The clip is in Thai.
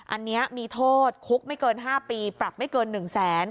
อันนี้มีโทษคุกไม่เกิน๕ปีปรับไม่เกิน๑แสน